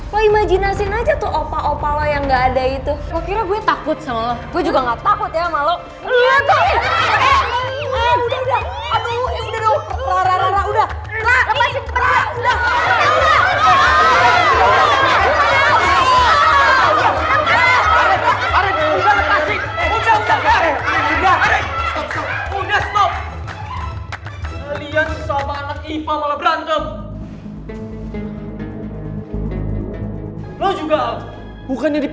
sampai jumpa di video selanjutnya